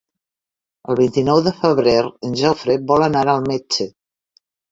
El vint-i-nou de febrer en Jofre vol anar al metge.